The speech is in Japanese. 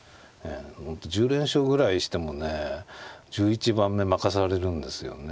本当１０連勝ぐらいしてもね１１番目負かされるんですよね。